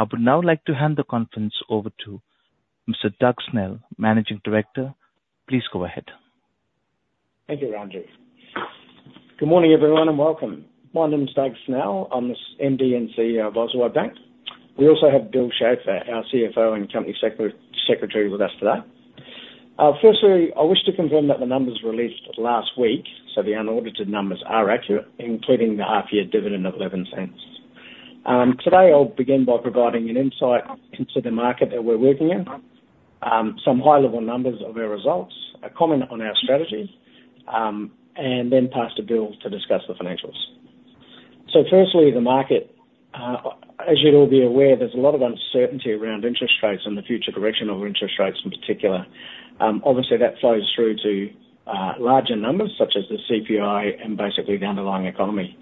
I would now like to hand the conference over to Mr. Doug Snell, Managing Director. Please go ahead. Thank you, Andrew. Good morning, everyone, and welcome. My name is Doug Snell. I'm the MD and CEO of Auswide Bank. We also have Bill Schafer, our CFO and Company Secretary, with us today. Firstly, I wish to confirm that the numbers released last week, so the unaudited numbers, are accurate, including the half year dividend of 0.11. Today, I'll begin by providing an insight into the market that we're working in, some high-level numbers of our results, a comment on our strategy, and then pass to Bill to discuss the financials. Firstly, the market. As you'd all be aware, there's a lot of uncertainty around interest rates and the future direction of interest rates in particular. Obviously, that flows through to larger numbers, such as the CPI and basically the underlying economy.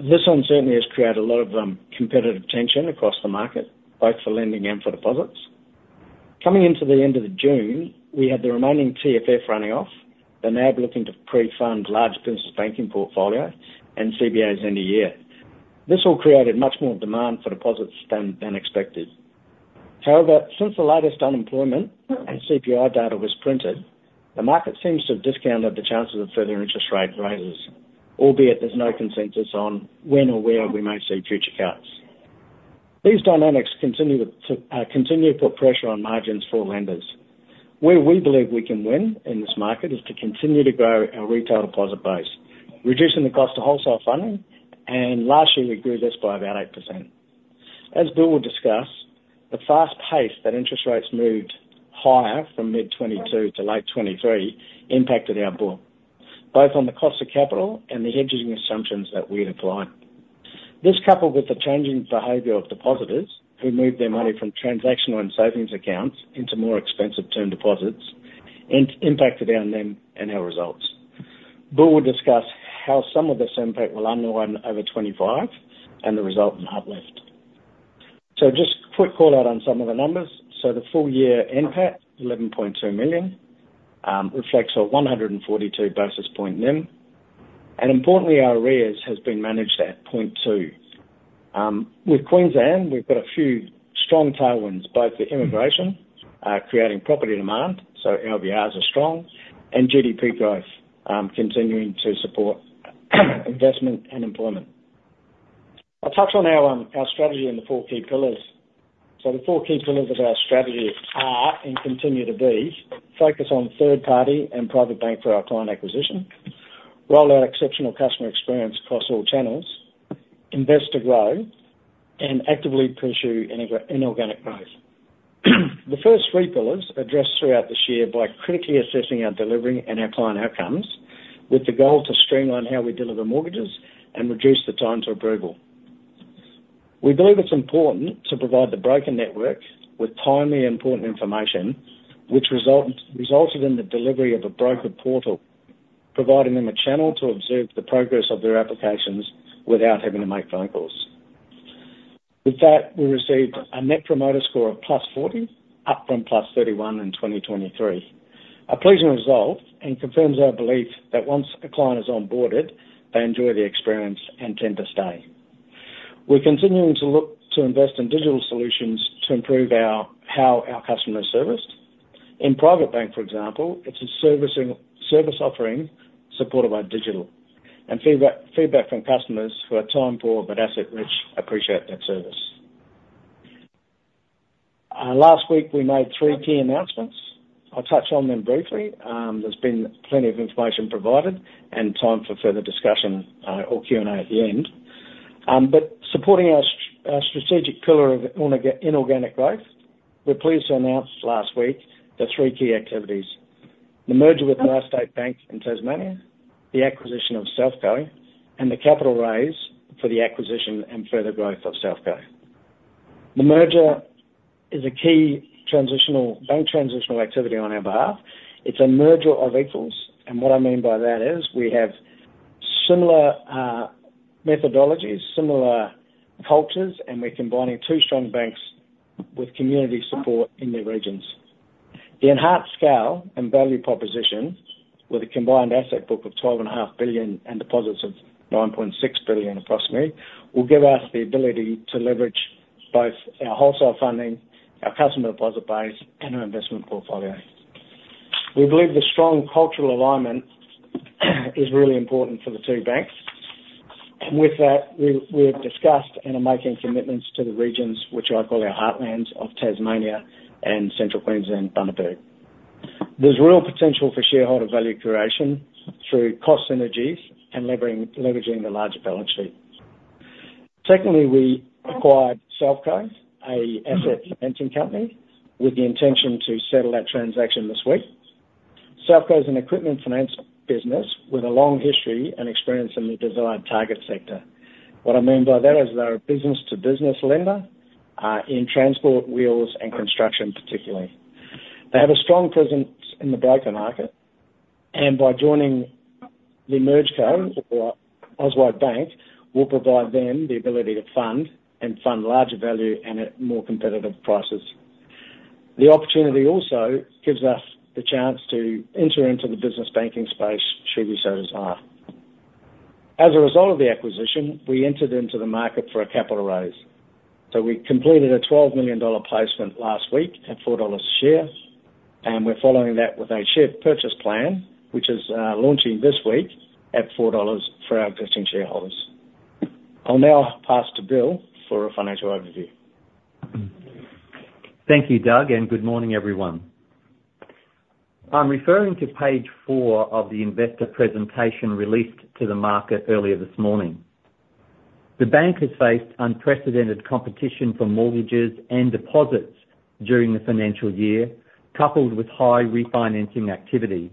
This uncertainty has created a lot of competitive tension across the market, both for lending and for deposits. Coming into the end of the June, we had the remaining TFF running off, the NAB looking to pre-fund large business banking portfolio, and CBA's end of year. This all created much more demand for deposits than expected. However, since the latest unemployment and CPI data was printed, the market seems to have discounted the chances of further interest rate rises, albeit there's no consensus on when or where we may see future cuts. These dynamics continue to put pressure on margins for lenders. Where we believe we can win in this market, is to continue to grow our retail deposit base, reducing the cost of wholesale funding, and last year, we grew this by about 8%. As Bill will discuss, the fast pace that interest rates moved higher from mid-2022 to late 2023 impacted our book, both on the cost of capital and the hedging assumptions that we had applied. This, coupled with the changing behavior of depositors who moved their money from transactional and savings accounts into more expensive term deposits, impacted our NIM and our results. Bill will discuss how some of this impact will unwind over 2025 and the results in first half. Just a quick call out on some of the numbers. The full-year NPAT, 11.2 million, reflects a 142 basis point NIM, and importantly, our arrears has been managed at 0.2. With Queensland, we've got a few strong tailwinds, both the immigration creating property demand, so LVRs are strong, and GDP growth continuing to support investment and employment. I'll touch on our, our strategy and the four key pillars. So the four key pillars of our strategy are, and continue to be, focus on third party and Private Bank for our client acquisition, roll out exceptional customer experience across all channels, invest to grow, and actively pursue inorganic growth. The first three pillars addressed throughout this year by critically assessing our delivery and our client outcomes, with the goal to streamline how we deliver mortgages and reduce the time to approval. We believe it's important to provide the broker network with timely and important information, which resulted in the delivery of a broker portal, providing them a channel to observe the progress of their applications without having to make phone calls. With that, we received a Net Promoter Score of +40, up from +31 in 2023. A pleasing result, and confirms our belief that once a client is onboarded, they enjoy the experience and tend to stay. We're continuing to look to invest in digital solutions to improve how our customers are serviced. In Private Bank, for example, it's a service offering supported by digital, and feedback from customers who are time poor but asset rich, appreciate that service. Last week, we made three key announcements. I'll touch on them briefly. There's been plenty of information provided and time for further discussion, or Q&A at the end. But supporting our strategic pillar of inorganic growth, we're pleased to announce last week the three key activities: the merger with MyState in Tasmania, the acquisition of Selfco, and the capital raise for the acquisition and further growth of Selfco. The merger is a key transitional bank activity on our behalf. It's a merger of equals, and what I mean by that is we have similar methodologies, similar cultures, and we're combining two strong banks with community support in their regions. The enhanced scale and value proposition with a combined asset book of AUD 12.5 billion and deposits of AUD 9.6 billion, approximately, will give us the ability to leverage both our wholesale funding, our customer deposit base, and our investment portfolio. We believe the strong cultural alignment is really important for the two banks, and with that, we have discussed and are making commitments to the regions, which I call our heartlands of Tasmania and Central Queensland, Bundaberg. There's real potential for shareholder value creation through cost synergies and leveraging the larger balance sheet. Secondly, we acquired Selfco, an asset financing company, with the intention to settle that transaction this week. Selfco is an equipment finance business with a long history and experience in the desired target sector. What I mean by that is they're a business-to-business lender in transport, wheels, and construction, particularly. They have a strong presence in the broker market, and by joining the merged co, or Auswide Bank, will provide them the ability to fund larger value and at more competitive prices. The opportunity also gives us the chance to enter into the business banking space, should we so desire. As a result of the acquisition, we entered into the market for a capital raise. So we completed a 12 million dollar placement last week at 4 dollars a share, and we're following that with a share purchase plan, which is launching this week at 4 dollars for our existing shareholders. I'll now pass to Bill for a financial overview. Thank you, Doug, and good morning, everyone. I'm referring to page four of the investor presentation released to the market earlier this morning. The bank has faced unprecedented competition for mortgages and deposits during the financial year, coupled with high refinancing activity.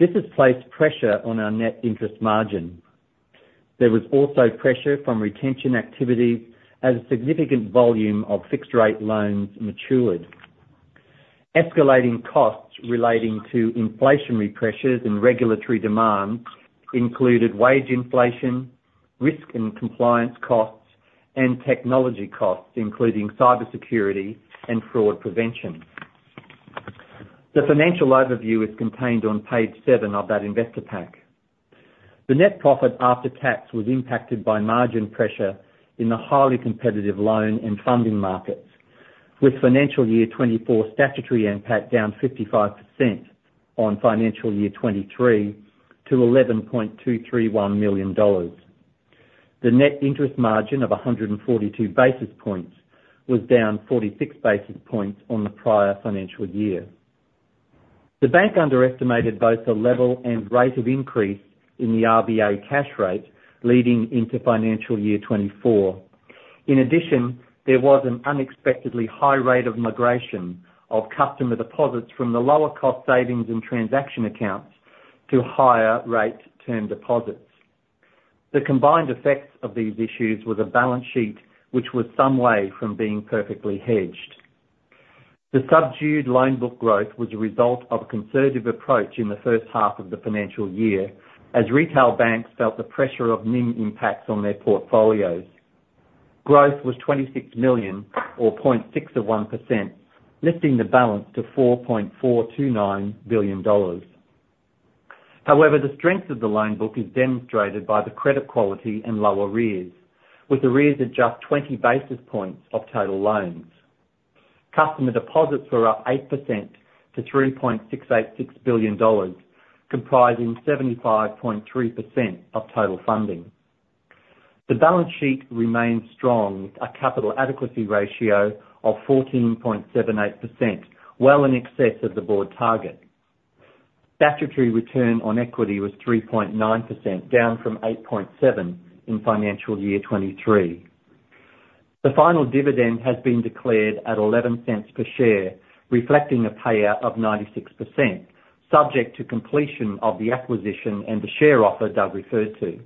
This has placed pressure on our net interest margin. There was also pressure from retention activity as a significant volume of fixed rate loans matured. Escalating costs relating to inflationary pressures and regulatory demands included wage inflation, risk and compliance costs, and technology costs, including cybersecurity and fraud prevention. The financial overview is contained on page seven of that investor pack. The net profit after tax was impacted by margin pressure in the highly competitive loan and funding markets, with financial year 2024 statutory NPAT down 55% on financial year 2023 to 11.231 million dollars. The net interest margin of 142 basis points was down 46 basis points on the prior financial year. The bank underestimated both the level and rate of increase in the RBA cash rate leading into financial year 2024. In addition, there was an unexpectedly high rate of migration of customer deposits from the lower cost savings and transaction accounts to higher rate term deposits. The combined effects of these issues was a balance sheet, which was some way from being perfectly hedged. The subdued loan book growth was a result of a conservative approach in the first half of the financial year, as retail banks felt the pressure of NIM impacts on their portfolios. Growth was 26 million, or 0.6%, lifting the balance to 4.429 billion dollars. However, the strength of the loan book is demonstrated by the credit quality and low arrears, with arrears at just 20 basis points of total loans. Customer deposits were up 8% to 3.686 billion dollars, comprising 75.3% of total funding. The balance sheet remains strong, with a capital adequacy ratio of 14.78%, well in excess of the Board target. Statutory return on equity was 3.9%, down from 8.7% in financial year 2023. The final dividend has been declared at 0.11 per share, reflecting a payout of 96%, subject to completion of the acquisition and the share offer Doug referred to.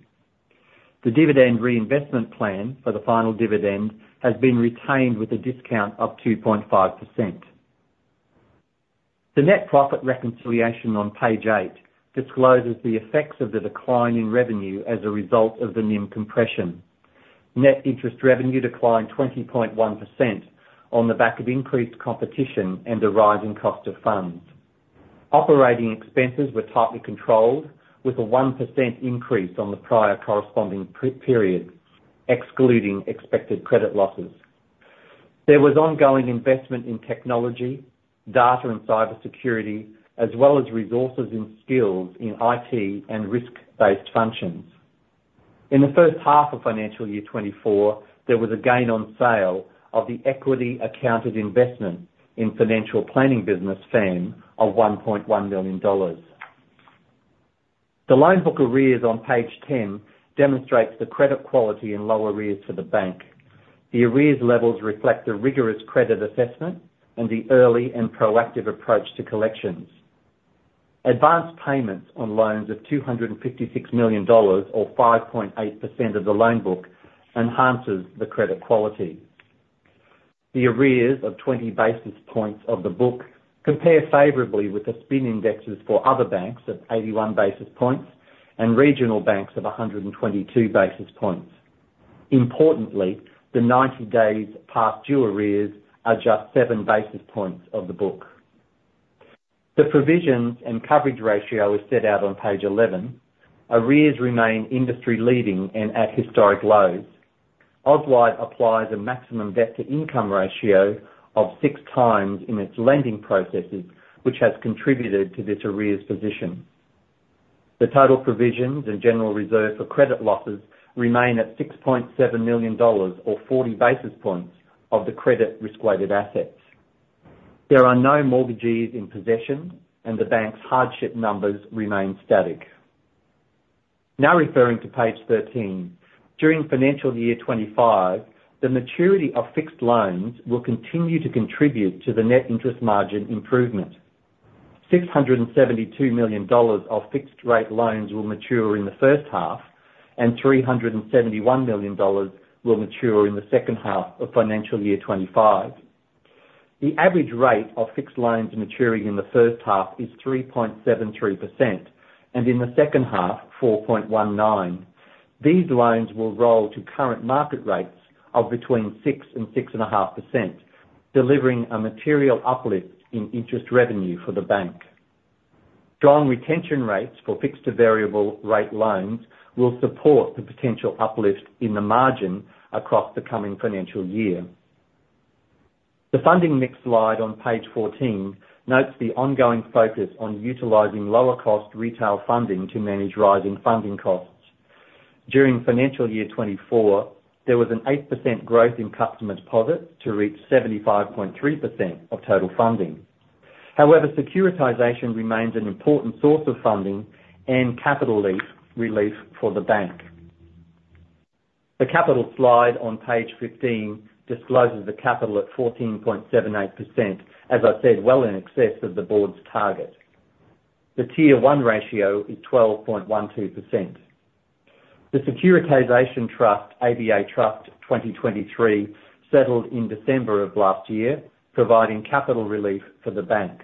The dividend reinvestment plan for the final dividend has been retained with a discount of 2.5%. The net profit reconciliation on page eight discloses the effects of the decline in revenue as a result of the NIM compression. Net interest revenue declined 20.1% on the back of increased competition and a rise in cost of funds. Operating expenses were tightly controlled, with a 1% increase on the prior corresponding period, excluding expected credit losses. There was ongoing investment in technology, data and cybersecurity, as well as resources and skills in IT and risk-based functions. In the first half of financial year 2024, there was a gain on sale of the equity accounted investment in financial planning business, FAM, of 1.1 million dollars. The loan book arrears on page 10 demonstrates the credit quality and low arrears for the bank. The arrears levels reflect the rigorous credit assessment and the early and proactive approach to collections. Advanced payments on loans of 256 million dollars, or 5.8% of the loan book, enhances the credit quality. The arrears of 20 basis points of the book compare favorably with the SPIN indexes for other banks at 81 basis points and regional banks of 122 basis points. Importantly, the 90 days past due arrears are just 7 basis points of the book. The provisions and coverage ratio is set out on page 11. Arrears remain industry leading and at historic lows. Auswide applies a maximum debt-to-income ratio of six times in its lending processes, which has contributed to this arrears position. The total provisions and general reserve for credit losses remain at 6.7 million dollars, or 40 basis points of the credit risk-weighted assets. There are no mortgagees in possession, and the bank's hardship numbers remain static. Now, referring to page 13. During financial year 2025, the maturity of fixed rate loans will continue to contribute to the net interest margin improvement. 672 million dollars of fixed rate loans will mature in the first half, and 371 million dollars will mature in the second half of financial year 2025. The average rate of fixed loans maturing in the first half is 3.73%, and in the second half, 4.19%. These loans will roll to current market rates of between 6% and 6.5%, delivering a material uplift in interest revenue for the bank. Strong retention rates for fixed to variable rate loans will support the potential uplift in the margin across the coming financial year. The funding mix slide on page 14 notes the ongoing focus on utilizing lower cost retail funding to manage rising funding costs. During financial year 2024, there was an 8% growth in customer deposits to reach 75.3% of total funding. However, securitization remains an important source of funding and capital relief for the bank. The capital slide on page 15 discloses the capital at 14.78%, as I said, well in excess of the Board's target. The Tier 1 ratio is 12.12%. The securitization trust, ABA Trust 2023, settled in December of last year, providing capital relief for the bank.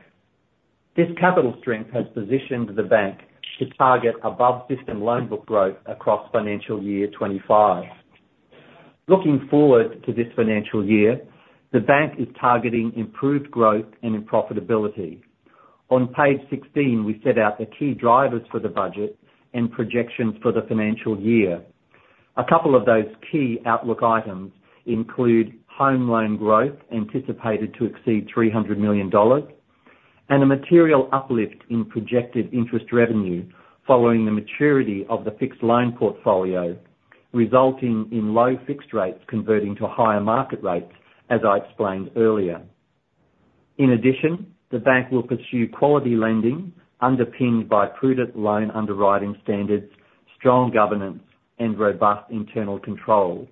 This capital strength has positioned the bank to target above system loan book growth across financial year 2025. Looking forward to this financial year, the bank is targeting improved growth and in profitability. On page 16, we set out the key drivers for the budget and projections for the financial year. A couple of those key outlook items include home loan growth, anticipated to exceed 300 million dollars, and a material uplift in projected interest revenue following the maturity of the fixed loan portfolio, resulting in low fixed rates converting to higher market rates, as I explained earlier. In addition, the bank will pursue quality lending, underpinned by prudent loan underwriting standards, strong governance, and robust internal control.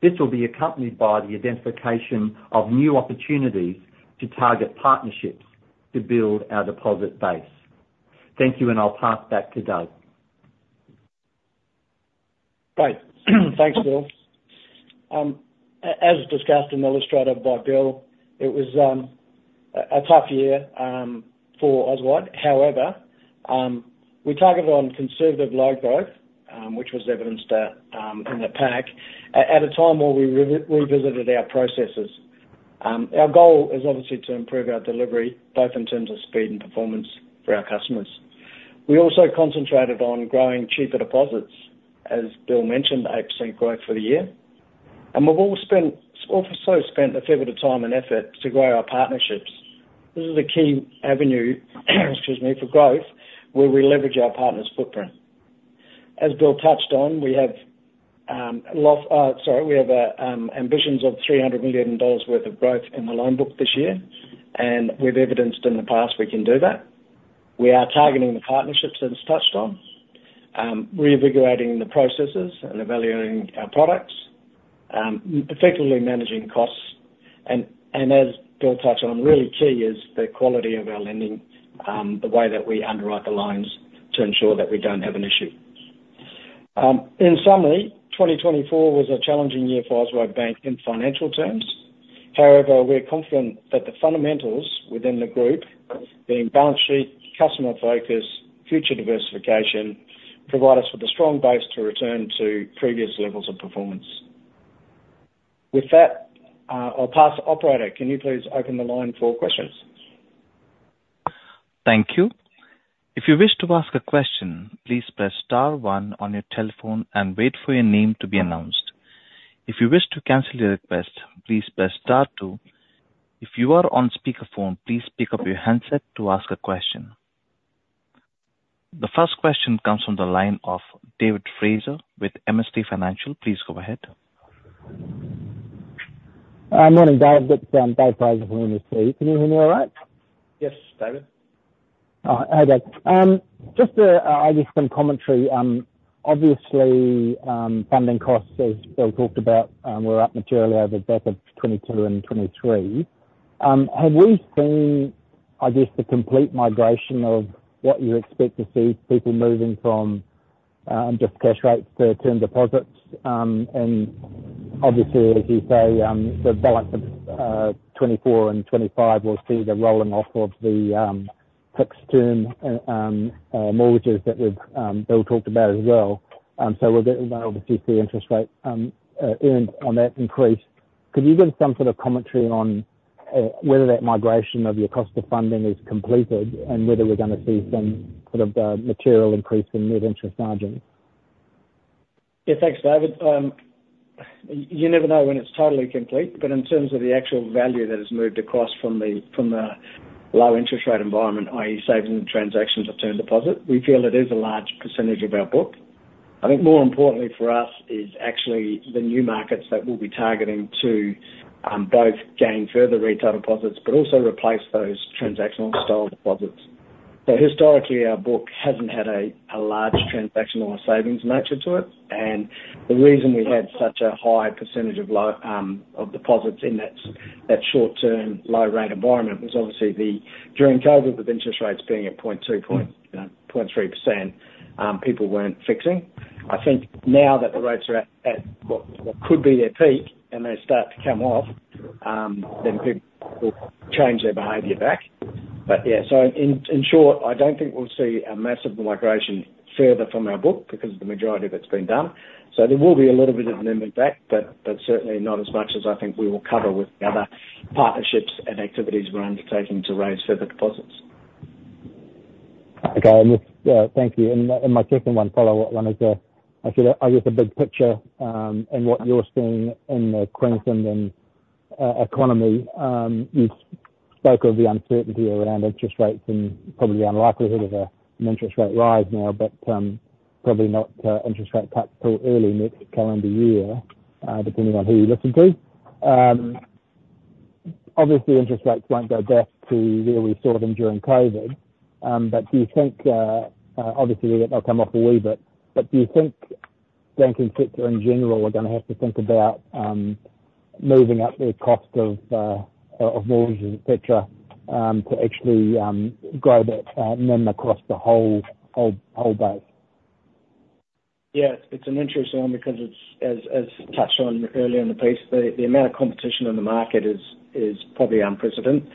This will be accompanied by the identification of new opportunities to target partnerships to build our deposit base. Thank you, and I'll pass it back to Doug. Great. Thanks, Bill. As discussed and illustrated by Bill, it was a tough year for Auswide. However, we targeted on conservative loan growth, which was evidenced in the pack at a time where we revisited our processes. Our goal is obviously to improve our delivery, both in terms of speed and performance for our customers. We also concentrated on growing cheaper deposits, as Bill mentioned, 8% growth for the year, and also spent a fair bit of time and effort to grow our partnerships. This is a key avenue, excuse me, for growth, where we leverage our partners' footprint. As Bill touched on, we have ambitions of 300 million dollars worth of growth in the loan book this year, and we've evidenced in the past we can do that. We are targeting the partnerships that it's touched on, reinvigorating the processes and evaluating our products, effectively managing costs. And as Bill touched on, really key is the quality of our lending, the way that we underwrite the loans to ensure that we don't have an issue. In summary, 2024 was a challenging year for Auswide Bank in financial terms. However, we're confident that the fundamentals within the group, being balance sheet, customer focus, future diversification, provide us with a strong base to return to previous levels of performance. With that, I'll pass to operator. Can you please open the line for questions? Thank you. If you wish to ask a question, please press star one on your telephone and wait for your name to be announced. If you wish to cancel your request, please press star two. If you are on speaker phone, please pick up your handset to ask a question. The first question comes from the line of David Fraser with MST Financial. Please go ahead. Morning, Doug. This is David Fraser from MST. Can you hear me all right? Yes, David. Okay. Just to, I guess, some commentary, obviously, funding costs, as Bill talked about, were up materially over the back of 2022 and 2023. Have we seen, I guess, the complete migration of what you expect to see people moving from, just cash rates to term deposits? And obviously, as you say, the balance of 2024 and 2025 will see the rolling off of the, fixed term, mortgages that we've, Bill talked about as well. So we'll get, obviously, the interest rate, earned on that increase. Could you give some sort of commentary on, whether that migration of your cost of funding is completed, and whether we're gonna see some sort of, material increase in net interest margin? Yeah, thanks, David. You never know when it's totally complete, but in terms of the actual value that has moved across from the low interest rate environment, i.e., savings and transactions or term deposit, we feel it is a large percentage of our book. I think more importantly for us is actually the new markets that we'll be targeting to both gain further retail deposits, but also replace those transactional style deposits. So historically, our book hasn't had a large transactional or savings nature to it, and the reason we had such a high percentage of low deposits in that short-term, low-rate environment was obviously the. During COVID, with interest rates being at 0.2%, 0.3%, people weren't fixing. I think now that the rates are at what could be their peak and they start to come off, then people will change their behavior back. But yeah, so in short, I don't think we'll see a massive migration further from our book because the majority of it's been done. So there will be a little bit of NIM back, but certainly not as much as I think we will cover with other partnerships and activities we're undertaking to raise further deposits. Okay. And just, thank you. And my second one, follow-up one, is, I guess, the big picture, and what you're seeing in the Queensland economy. You spoke of the uncertainty around interest rates and probably the unlikelihood of an interest rate rise now, but probably not interest rate cut till early next calendar year, depending on who you're listening to. Obviously, interest rates won't go back to where we saw them during COVID, but do you think, obviously they'll come off a wee bit, but do you think banking sector in general are gonna have to think about moving up their cost of mortgages, et cetera, to actually grow that NIM across the whole base? Yeah. It's an interesting one because it's as touched on earlier in the piece, the amount of competition in the market is probably unprecedented.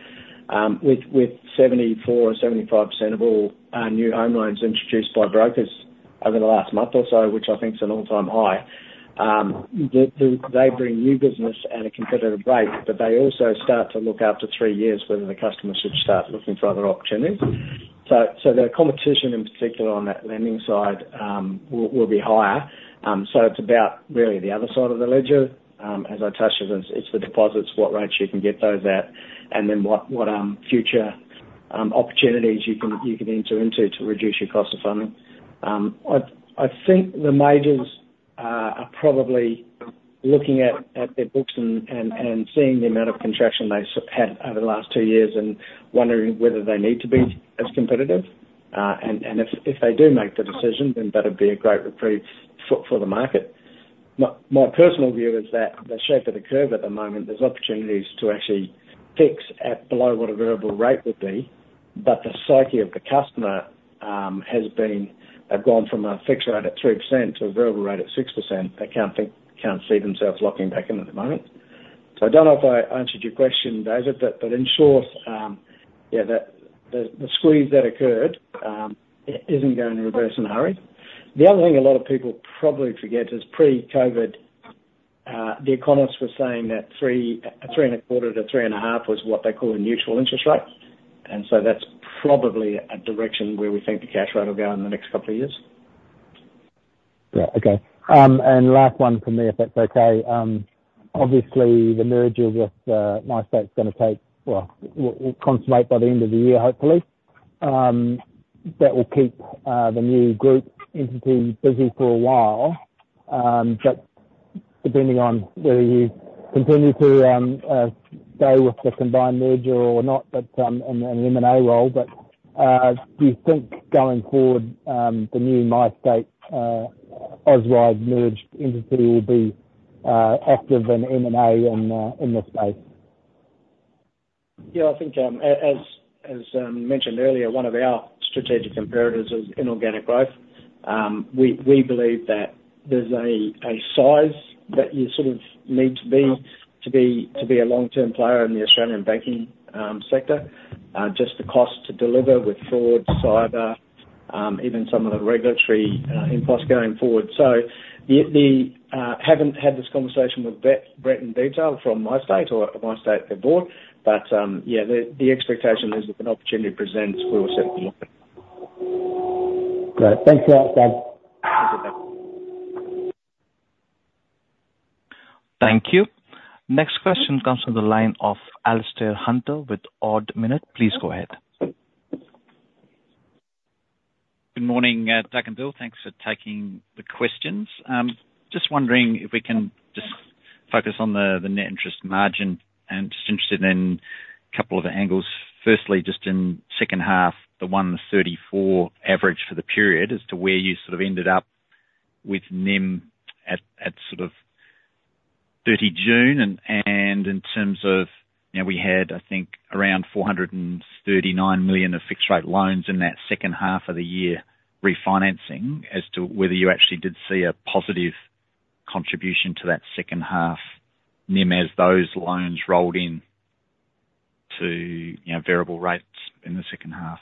With 74%-75% of all new home loans introduced by brokers over the last month or so, which I think is an all-time high, they bring new business at a competitive rate, but they also start to look after three years, whether the customer should start looking for other opportunities. So the competition, in particular on that lending side, will be higher. So it's about really the other side of the ledger. As I touched on, it's the deposits, what rates you can get those at, and then what future opportunities you can enter into to reduce your cost of funding. I think the majors are probably looking at their books and seeing the amount of contraction they had over the last two years and wondering whether they need to be as competitive. And if they do make the decision, then that'd be a great reprieve for the market. My personal view is that the shape of the curve at the moment, there's opportunities to actually fix at below what a variable rate would be, but the psyche of the customer has been. They've gone from a fixed rate at 3% to a variable rate at 6%. They can't think, can't see themselves locking back in at the moment. So I don't know if I answered your question, David, but in short, yeah, the squeeze that occurred isn't going to reverse in a hurry. The other thing a lot of people probably forget is pre-COVID, the economists were saying that three and a quarter to three and a half was what they call a neutral interest rate, and so that's probably a direction where we think the cash rate will go in the next couple of years. Yeah. Okay. And last one from me, if that's okay. Obviously, the merger with MyState is gonna take, well, will consummate by the end of the year, hopefully. That will keep the new group entity busy for a while, but depending on whether you continue to stay with the combined merger or not, but do you think going forward, the new MyState, Auswide merged entity will be active in M&A in this space? Yeah, I think, as mentioned earlier, one of our strategic imperatives is inorganic growth. We believe that there's a size that you sort of need to be a long-term player in the Australian banking sector, just the cost to deliver with fraud, cyber, even some of the regulatory impacts going forward. So haven't had this conversation with Brett in detail from MyState or MyState Board, but yeah, the expectation is if an opportunity presents, we're set to look. Great. Thanks for that, Doug. Thank you. Thank you. Next question comes from the line of Alastair Hunter with Ord Minnett. Please go ahead. Good morning, Doug and Bill. Thanks for taking the questions. Just wondering if we can just focus on the net interest margin. I'm just interested in a couple of angles. Firstly, just in second half, the 1.34 average for the period as to where you sort of ended up with NIM at sort of 30 June, and in terms of, you know, we had, I think, around 439 million of fixed rate loans in that second half of the year refinancing, as to whether you actually did see a positive contribution to that second half NIM, as those loans rolled in to, you know, variable rates in the second half.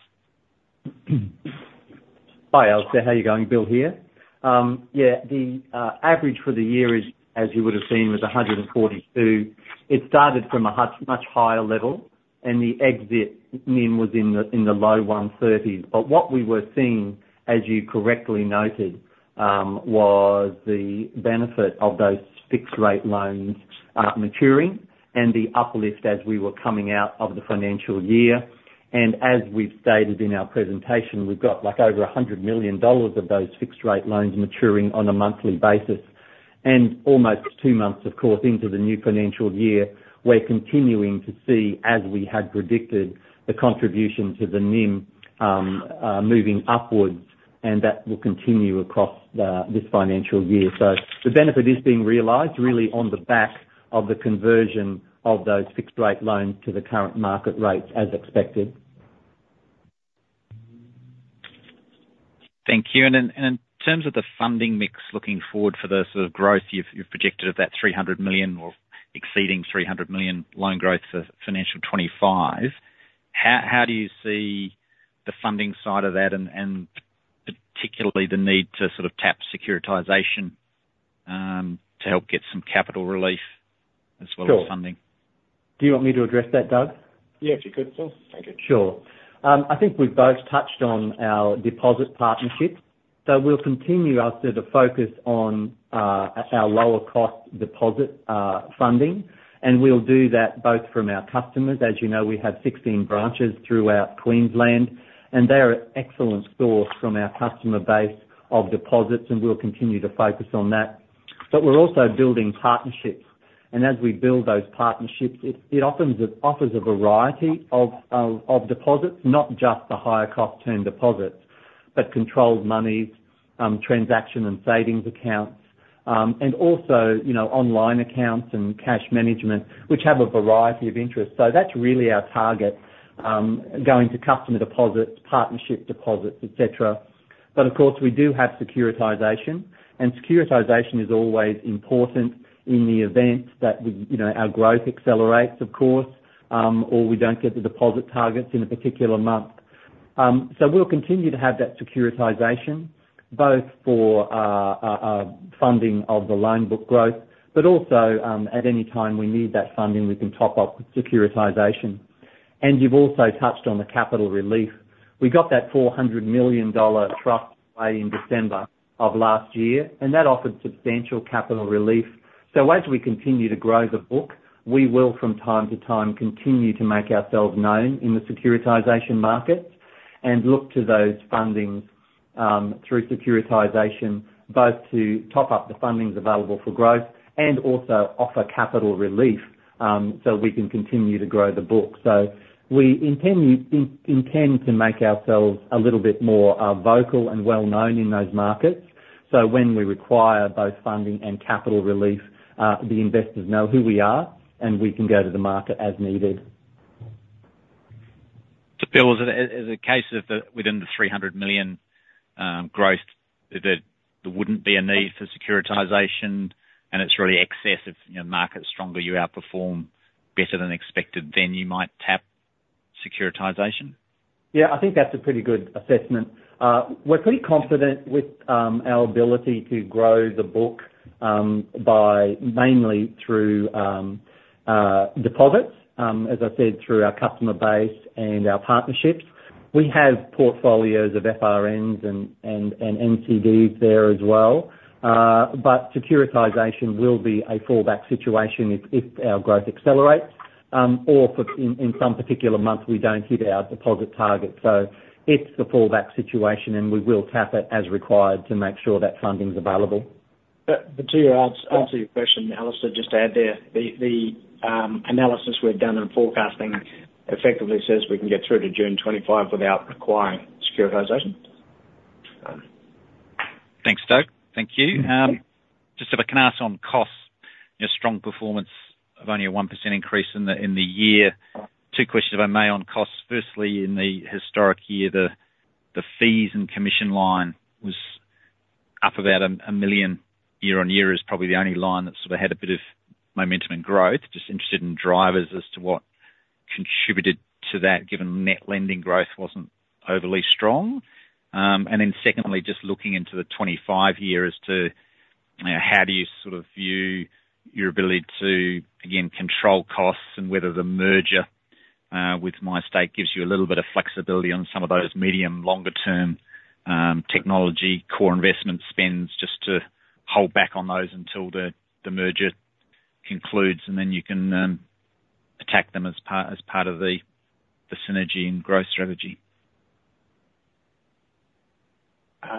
Hi, Alastair. How you going? Bill here. Yeah, the average for the year is, as you would have seen, was 142. It started from a much, much higher level, and the exit NIM was in the low 130s. But what we were seeing, as you correctly noted, was the benefit of those fixed rate loans maturing and the uplift as we were coming out of the financial year. And as we've stated in our presentation, we've got, like, over 100 million dollars of those fixed rate loans maturing on a monthly basis. And almost two months, of course, into the new financial year, we're continuing to see, as we had predicted, the contribution to the NIM moving upwards, and that will continue across this financial year. So the benefit is being realized really on the back of the conversion of those fixed rate loans to the current market rates as expected. Thank you. And in terms of the funding mix, looking forward for the sort of growth you've projected of that 300 million or exceeding 300 million loan growth for financial 2025, how do you see the funding side of that and particularly the need to sort of tap securitization to help get some capital relief as well as funding? Sure. Do you want me to address that, Doug? Yeah, if you could. Sure. Thank you. Sure. I think we've both touched on our deposit partnerships, so we'll continue our sort of focus on our lower cost deposit funding. And we'll do that both from our customers, as you know, we have 16 branches throughout Queensland, and they're an excellent source from our customer base of deposits, and we'll continue to focus on that. But we're also building partnerships, and as we build those partnerships, it often offers a variety of deposits, not just the higher cost term deposits, but controlled monies, transaction and savings accounts, and also, you know, online accounts and cash management, which have a variety of interests. So that's really our target going to customer deposits, partnership deposits, et cetera. But of course, we do have securitization, and securitization is always important in the event that we, you know, our growth accelerates, of course, or we don't get the deposit targets in a particular month. So we'll continue to have that securitization, both for funding of the loan book growth, but also, at any time we need that funding, we can top up with securitization. And you've also touched on the capital relief. We got that 400 million dollar trust in December of last year, and that offered substantial capital relief. So as we continue to grow the book, we will, from time to time, continue to make ourselves known in the securitization markets and look to those fundings through securitization, both to top up the fundings available for growth and also offer capital relief, so we can continue to grow the book. So we intend to make ourselves a little bit more vocal and well known in those markets. So when we require both funding and capital relief, the investors know who we are, and we can go to the market as needed. So, Bill, is it a case of the within the 300 million growth that there wouldn't be a need for securitization, and it's really excess of, you know, market stronger, you outperform better than expected, then you might tap securitization? Yeah, I think that's a pretty good assessment. We're pretty confident with our ability to grow the book by mainly through deposits, as I said, through our customer base and our partnerships. We have portfolios of FRNs and NCDs there as well. But securitization will be a fallback situation if our growth accelerates, or for in some particular months, we don't hit our deposit target. So it's the fallback situation, and we will tap it as required to make sure that funding is available. But to answer your question, Alastair, just to add there, the analysis we've done and forecasting effectively says we can get through to June 2025 without requiring securitization. Thanks, Doug. Thank you. Just if I can ask on costs, your strong performance of only a 1% increase in the year. Two questions, if I may, on costs. Firstly, in the historic year, the fees and commission line was up about a million year-on-year. It is probably the only line that sort of had a bit of momentum and growth. Just interested in drivers as to what contributed to that, given net lending growth wasn't overly strong. And then secondly, just looking into the 2025 year as to, you know, how do you sort of view your ability to, again, control costs and whether the merger with MyState gives you a little bit of flexibility on some of those medium, longer term, technology, core investment spends, just to hold back on those until the merger concludes, and then you can attack them as part of the synergy and growth strategy.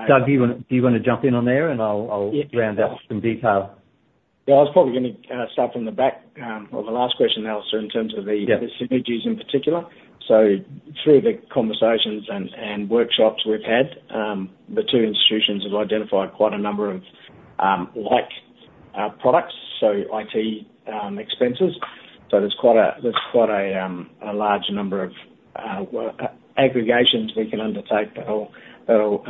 Doug, do you wanna jump in on there, and I'll round out some detail? Yeah, I was probably gonna start from the back, or the last question, Alastair, in terms of the. Yeah. The synergies in particular. So through the conversations and workshops we've had, the two institutions have identified quite a number of, like, products, so IT expenses. So there's quite a large number of aggregations we can undertake that will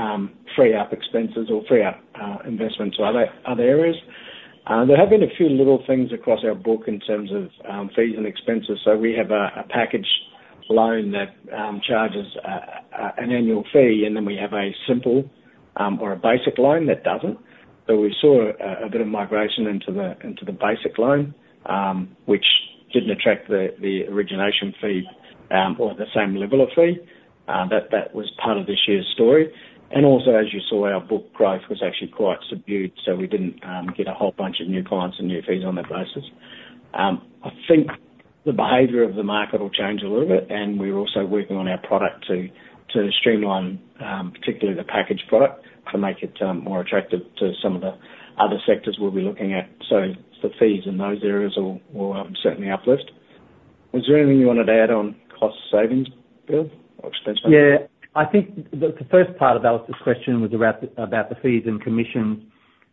free up expenses or free up investment to other areas. There have been a few little things across our book in terms of fees and expenses. So we have a package loan that charges an annual fee, and then we have a simple or a basic loan that doesn't. So we saw a bit of migration into the basic loan, which didn't attract the origination fee or the same level of fee that was part of this year's story. And also, as you saw, our book growth was actually quite subdued, so we didn't get a whole bunch of new clients and new fees on that basis. I think the behavior of the market will change a little bit, and we're also working on our product to streamline particularly the package product, to make it more attractive to some of the other sectors we'll be looking at. So the fees in those areas will certainly uplift. Was there anything you wanted to add on cost savings, Bill, or expense? Yeah. I think the first part of Alastair's question was about the fees and commissions.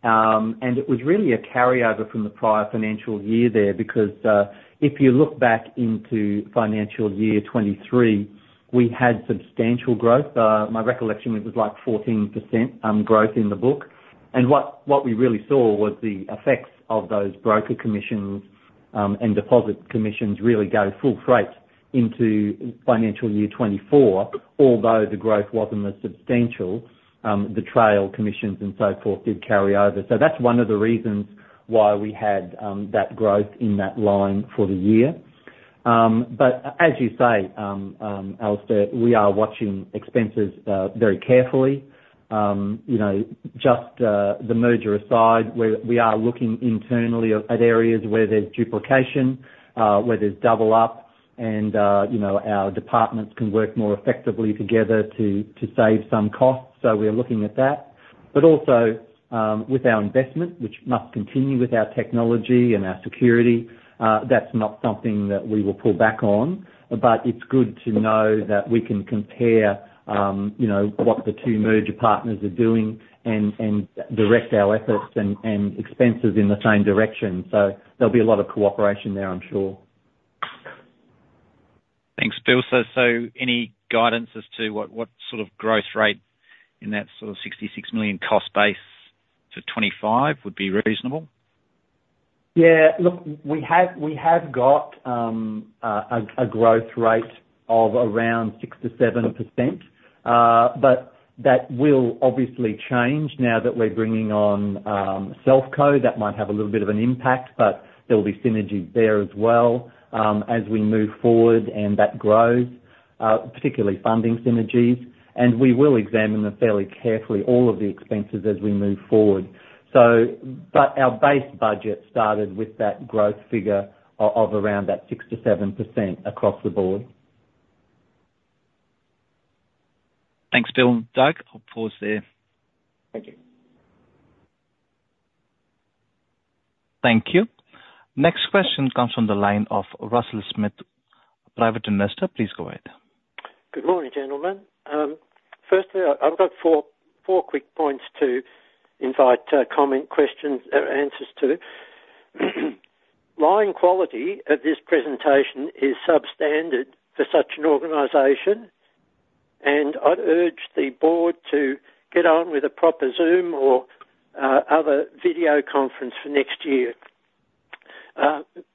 And it was really a carryover from the prior financial year there, because if you look back into financial year 2023, we had substantial growth. My recollection was, it was like 14% growth in the book. And what we really saw was the effects of those broker commissions and deposit commissions really go full freight into financial year 2024. Although the growth wasn't as substantial, the trail commissions and so forth did carry over. So that's one of the reasons why we had that growth in that line for the year. But as you say, Alastair, we are watching expenses very carefully. You know, just the merger aside, we are looking internally at areas where there's duplication, where there's double ups, and you know, our departments can work more effectively together to save some costs. So we're looking at that. But also, with our investment, which must continue with our technology and our security, that's not something that we will pull back on, but it's good to know that we can compare you know, what the two merger partners are doing and direct our efforts and expenses in the same direction. So there'll be a lot of cooperation there, I'm sure. Thanks, Bill. Any guidance as to what sort of growth rate in that sort of 66 million cost base to 2025 would be reasonable? Yeah, look, we have got a growth rate of around 6%-7%. But that will obviously change now that we're bringing on Selfco. That might have a little bit of an impact, but there'll be synergies there as well, as we move forward and that grows, particularly funding synergies. And we will examine them fairly carefully, all of the expenses as we move forward. So but our base budget started with that growth figure of around 6%-7% across the Board. Thanks, Bill. Doug, I'll pause there. Thank you. Thank you. Next question comes from the line of Russell Smith, Private Investor. Please go ahead. Good morning, gentlemen. Firstly, I've got four quick points to invite comment, questions, or answers to. Line quality of this presentation is substandard for such an organization, and I'd urge the Board to get on with a proper Zoom or other video conference for next year.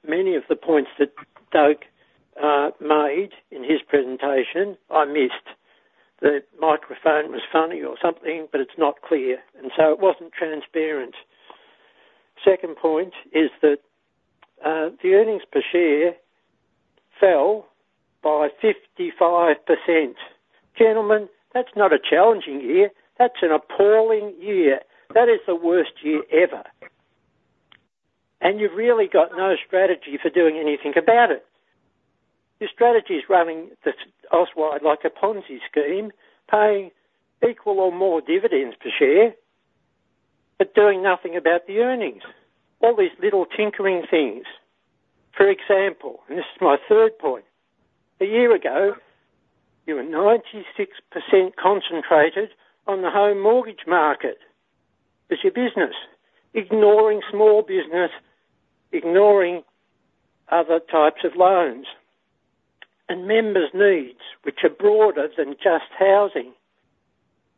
Many of the points that Doug made in his presentation, I missed. The microphone was funny or something, but it's not clear, and so it wasn't transparent. Second point is that the earnings per share fell by 55%. Gentlemen, that's not a challenging year, that's an appalling year. That is the worst year ever. You've really got no strategy for doing anything about it. Your strategy is running the Auswide, like a Ponzi scheme, paying equal or more dividends per share, but doing nothing about the earnings. All these little tinkering things. For example, and this is my third point. A year ago, you were 96% concentrated on the home mortgage market. It's your business, ignoring small business, ignoring other types of loans and members' needs, which are broader than just housing.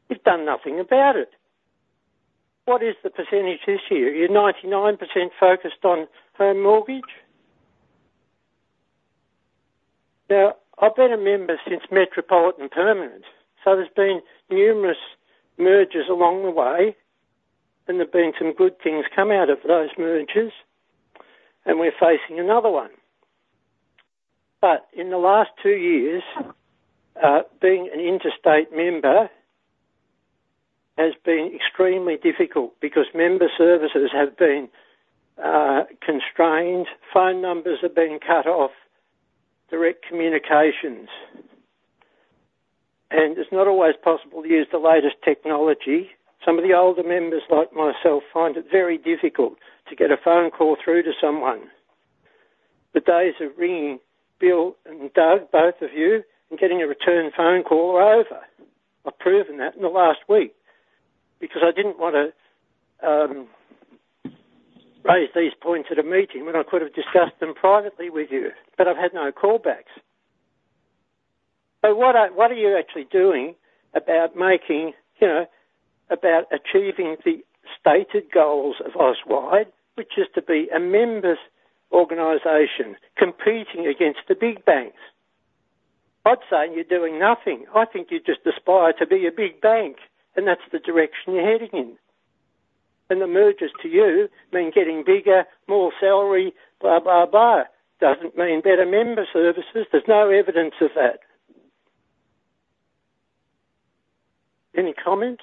You've done nothing about it. What is the percentage this year? You're 99% focused on home mortgage? Now, I've been a member since Metropolitan Permanent, so there's been numerous mergers along the way, and there have been some good things come out of those mergers, and we're facing another one. But in the last two years, being an interstate member has been extremely difficult because member services have been constrained, phone numbers have been cut off, direct communications, and it's not always possible to use the latest technology. Some of the older members, like myself, find it very difficult to get a phone call through to someone. The days of ringing Bill and Doug, both of you, and getting a return phone call are over. I've proven that in the last week, because I didn't want to raise these points at a meeting when I could have discussed them privately with you, but I've had no callbacks. So what are you actually doing about making, you know, about achieving the stated goals of Auswide, which is to be a members' organization competing against the big banks? I'd say you're doing nothing. I think you just aspire to be a big bank, and that's the direction you're heading in. And the mergers to you mean getting bigger, more salary, blah, blah, blah. Doesn't mean better member services. There's no evidence of that. Any comments?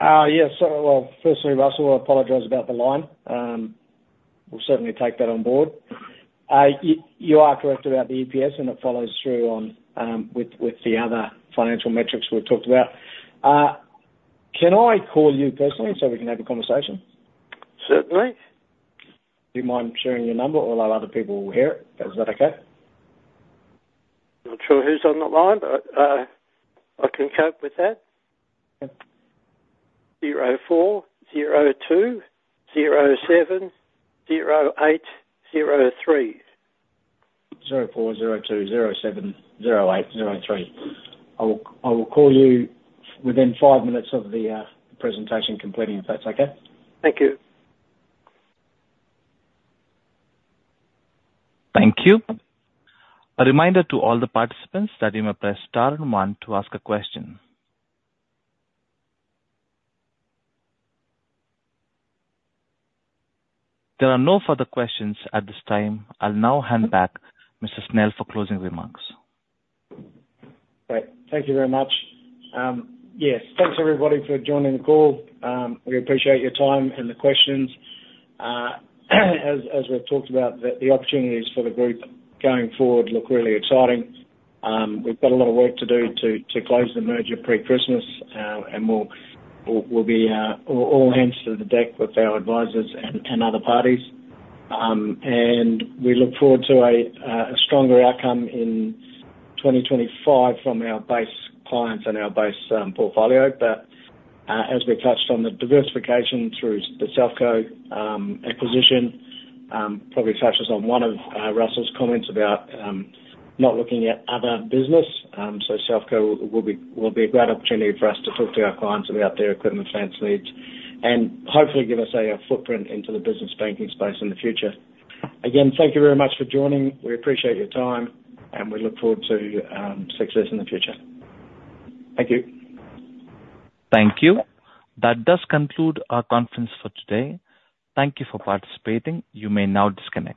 Yes. So, well, firstly, Russell, I apologize about the line. We'll certainly take that on Board. You are correct about the EPS, and it follows through on with the other financial metrics we've talked about. Can I call you personally so we can have a conversation? Certainly. Do you mind sharing your number? Although other people will hear it. Is that okay? Not sure who's on the line, but I can cope with that. 0402070803. 0402070803. I will call you within five minutes of the presentation completing, if that's okay? Thank you. Thank you. A reminder to all the participants that you may press star one to ask a question. There are no further questions at this time. I'll now hand back Mr. Snell for closing remarks. Great. Thank you very much. Yes, thanks everybody for joining the call. We appreciate your time and the questions. As we've talked about, the opportunities for the group going forward look really exciting. We've got a lot of work to do to close the merger pre-Christmas. And we'll be all hands to the deck with our advisors and other parties. And we look forward to a stronger outcome in 2025 from our base clients and our base portfolio. But as we touched on the diversification through the Selfco acquisition, probably touches on one of Russell's comments about not looking at other business. So Selfco will be a great opportunity for us to talk to our clients about their equipment finance needs, and hopefully give us a footprint into the business banking space in the future. Again, thank you very much for joining. We appreciate your time, and we look forward to success in the future. Thank you. Thank you. That does conclude our conference for today. Thank you for participating. You may now disconnect.